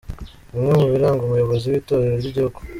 Bimwe mu biranga umuyobozi w’Itorero ry’Igihugu